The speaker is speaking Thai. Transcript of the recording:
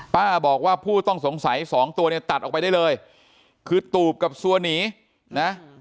ป้าบอกว่าผู้ต้องสงสัยสองตัวเนี่ยตัดออกไปได้เลยคือตูบกับซัวหนีนะ